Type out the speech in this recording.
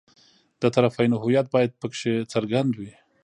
د طرفینو هویت باید په کې څرګند وي.